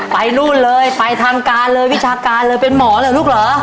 นู่นเลยไปทางการเลยวิชาการเลยเป็นหมอเหรอลูกเหรอ